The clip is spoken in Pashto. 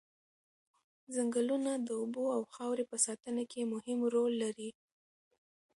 ځنګلونه د اوبو او خاورې په ساتنه کې مهم رول لري.